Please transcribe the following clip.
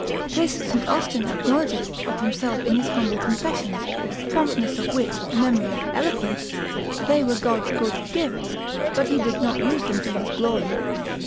This St. Austin acknowledgeth of himself in his humble confessions, promptness of wit, memory, eloquence, they were God's good gifts, but he did not use them to his glory.